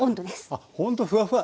あっほんとふわふわ。